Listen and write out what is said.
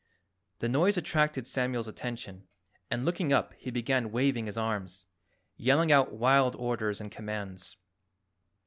The noise attracted Samuel's attention, and looking up he began waving his arms, yelling out wild orders and commands.